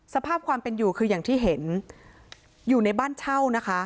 สภาพความเป็นอยู่คืออย่างที่เห็นอยู่ในบ้านเช่านะคะ